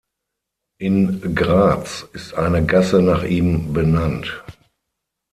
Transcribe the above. In Graz ist eine Gasse nach ihm benannt